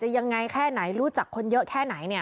ยังไงแค่ไหนรู้จักคนเยอะแค่ไหนเนี่ย